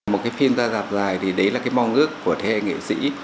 một cái phim ra dạp dài thì đấy là cái mong ước của thế nghệ sĩ